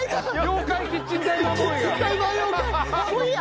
妖怪キッチンタイマーボーイが。